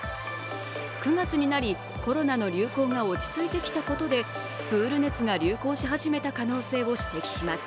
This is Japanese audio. ９月になりコロナの流行が落ち着いてきたことでプール熱が流行し始めた可能性を指摘します。